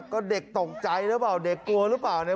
ก็เด็กตกใจหรือเปล่าเด็กกลัวหรือเปล่าเนี่ย